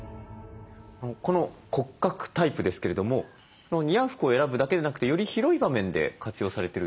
この骨格タイプですけれども似合う服を選ぶだけでなくてより広い場面で活用されてるということですね？